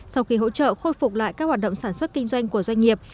sau khi hỗ trợ khôi phục lại các hoạt động sản xuất kinh doanh của doanh nghiệp